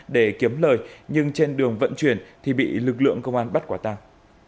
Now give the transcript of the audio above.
để kiếm lời nhưng trên đường vận chuyển thì bị lực lượng công an bắt quả tàng